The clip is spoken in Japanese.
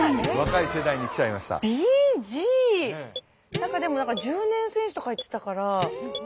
何かでも１０年選手とか言ってたから何だろう。